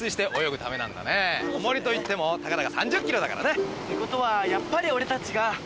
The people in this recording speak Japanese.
オモリと言ってもたかだか３０キロだからね。ってことはやっぱり俺たちが。